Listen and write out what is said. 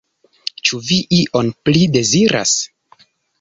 Ĉu vi ion pli deziras?